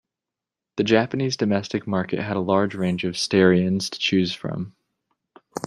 The Japanese domestic market had a large range of Starions to choose from.